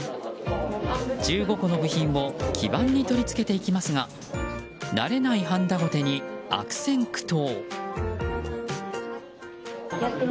１５個の部品を基板に取り付けていきますが慣れない、はんだごてに悪戦苦闘。